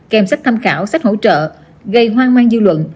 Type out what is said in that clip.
kèm sách tham khảo sách hỗ trợ gây hoang mang dư luận